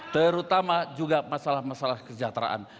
terutama juga masalah masalah kesejahteraan